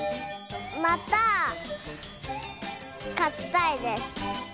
またかちたいです。